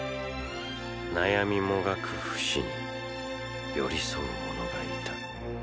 悩みもがくフシに寄り添う者がいた。